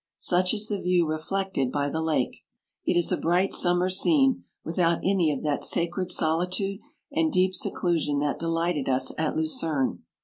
Such is the view reflected by the lake ; it is a bright slimmer scene without any of that sa 95 cred solitude and deep seclusion that delighted us at Lucerne.